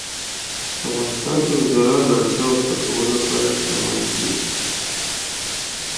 په افغانستان کې د بزګان د اړتیاوو پوره کولو لپاره اقدامات کېږي.